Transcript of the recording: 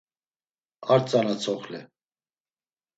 Ar tzana tzoxle.